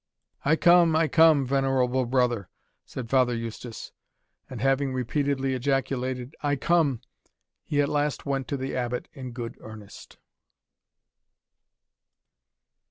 "I come, I come, venerable brother," said Father Eustace And having repeatedly ejaculated "I come!" he at last went to the Abbot in good earnest.